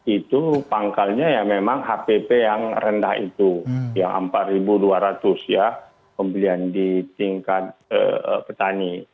itu pangkalnya ya memang hpp yang rendah itu yang empat dua ratus ya pembelian di tingkat petani